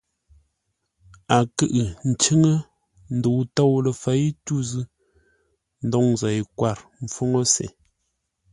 A kʉʼʉ ncʉ́ŋə́, ndəu tôu ləfěi tû zʉ́, ndôŋ zêi kwâr ḿpfúŋə́ se.